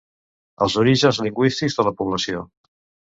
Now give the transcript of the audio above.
Els orígens lingüístics de la població.